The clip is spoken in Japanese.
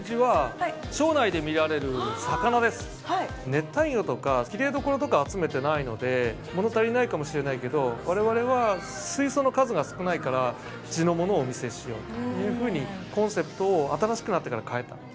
熱帯魚とかきれいどころとか集めてないのでもの足りないかもしれないけど我々は水槽の数が少ないから地のものをお見せしようというふうにコンセプトを新しくなってから変えた。